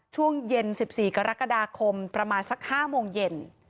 ช่วงเย็น๑๔กรกฎาคมประมาณสัก๕โมงเย็น